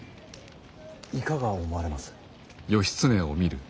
いかが思われます。